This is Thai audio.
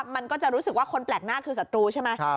มันก็จะรู้สึกว่าคนแปลกหน้าคือศัตรูใช่ไหม